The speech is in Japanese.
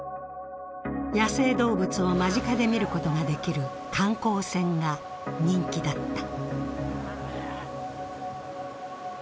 野生動物を間近で見ることができる観光船が人気だった。